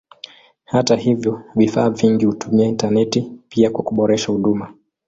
Hata hivyo vifaa vingi hutumia intaneti pia kwa kuboresha huduma.